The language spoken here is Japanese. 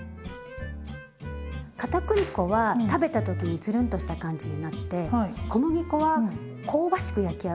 かたくり粉は食べた時につるんとした感じになって小麦粉は香ばしく焼き上がる。